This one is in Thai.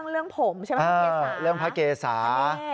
เรื่องผมใช่มั้ยพระเกษา